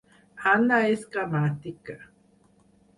Anna és gramàtica